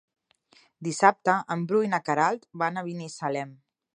Dissabte en Bru i na Queralt van a Binissalem.